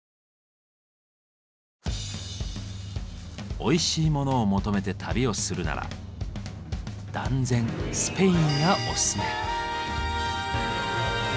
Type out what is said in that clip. おいしいモノを求めて旅をするなら断然スペインがオススメ。